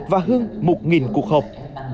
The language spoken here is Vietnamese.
và hơn một cuộc họp